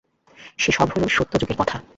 সে-সব হল সত্যযুগের কথা।